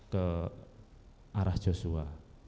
ke arah joshua